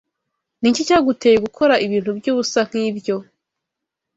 Niki cyaguteye gukora ibintu byubusa nkibyo?